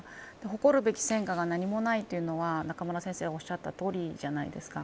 誇るべき戦果がないというのは中村先生がおっしゃったとおりじゃないですか。